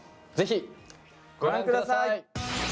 ぜひ、御覧ください。